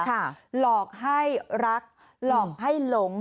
หลอกให้รักหลอกให้หลง